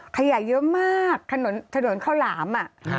ขยะเยอะมากถนนข้าวหลาม